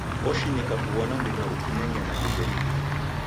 Oshinika kuw'ona mruna ukineng'ena ndiw'enyi.